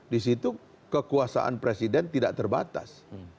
disitu kekuasaan presiden tidak terbatas